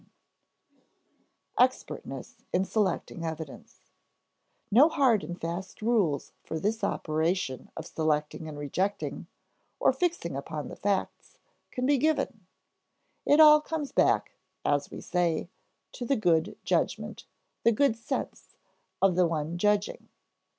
[Sidenote: Expertness in selecting evidence] No hard and fast rules for this operation of selecting and rejecting, or fixing upon the facts, can be given. It all comes back, as we say, to the good judgment, the good sense, of the one judging.